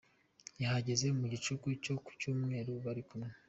Yahageze mu gicuku cyo ku Cyumweru, bari kumwe.